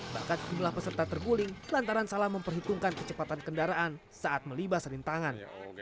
bahkan jumlah peserta terguling lantaran salah memperhitungkan kecepatan kendaraan saat melibas rintangan